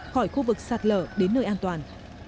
khỏi khu vực sạt lở đến nơi an toàn